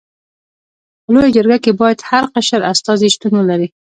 په لويه جرګه کي باید هر قشر استازي شتون ولري.